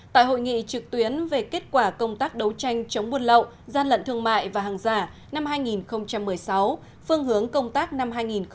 tại hội nghị trực tuyến về kết quả công tác đấu tranh chống buôn lậu gian lận thương mại và hàng giả năm hai nghìn một mươi sáu phương hướng công tác năm hai nghìn một mươi chín